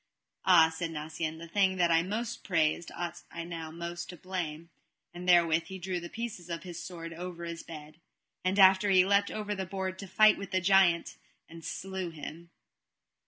Ah, said Nacien, the thing that I most praised ought I now most to blame, and therewith he threw the pieces of his sword over his bed. And after he leapt over the board to fight with the giant, and slew him.